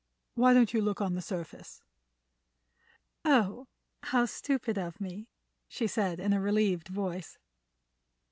Why don't you look on the surface?" "Oh! how stupid of me," she said in a relieved voice.